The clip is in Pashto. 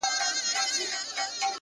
• نن د ښار وګړي د مُلا د منتر نذر دي ,